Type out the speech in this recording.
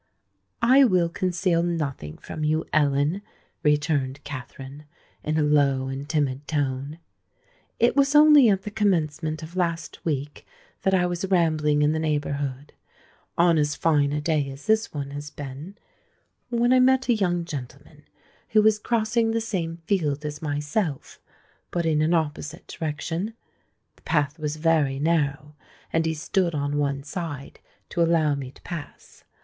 "I will conceal nothing from you, Ellen," returned Katherine, in a low and timid tone. "It was only at the commencement of last week that I was rambling in the neighbourhood—on as fine a day as this one has been—when I met a young gentleman, who was crossing the same field as myself, but in an opposite direction. The path was very narrow; and he stood on one side to allow me to pass.